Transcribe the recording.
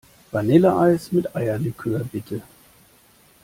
Vanilleeis mit Eierlikör, bitte.